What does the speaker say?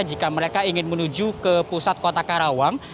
jika mereka ingin menuju ke pusat kota karawang